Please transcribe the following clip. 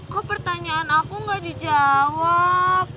kok pertanyaan aku nggak dijawab